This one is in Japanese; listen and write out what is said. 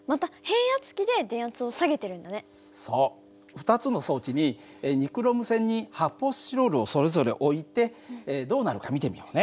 ２つの装置にニクロム線に発泡スチロールをそれぞれ置いてどうなるか見てみようね。